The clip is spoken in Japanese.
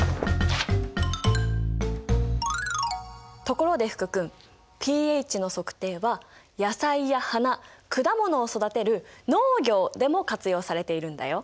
ところで福君ｐＨの測定は野菜や花果物を育てる農業でも活用されているんだよ。